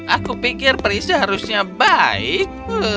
aku pikir perisi harusnya baik